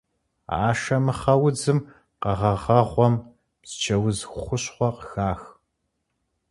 Ашэмыхъэ удзым и къэгъэгъэгъуэм псчэуз хущхъуэ къыхах.